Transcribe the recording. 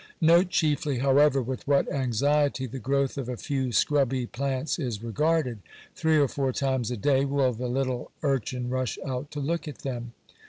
' Note chiefly, however, with what anxiety the growth of a few scrubby plants is regarded. Three or four times a day will the little urchin rush out to look at them.